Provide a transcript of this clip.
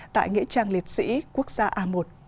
tại nghĩa trang liệt sĩ quốc gia a một